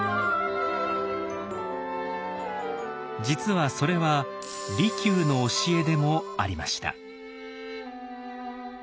実はそれは利休の教えでもありました。